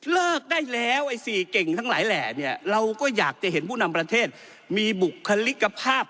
เลิกได้แล้วไอ้๔เก่งทั้งหลายแหล่เนี่ยเราก็อยากจะเห็นผู้นำประเทศมีบุคลิกภาพ